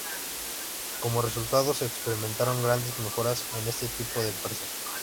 Como resultado, se experimentaron grandes mejoras en este tipo de empresas.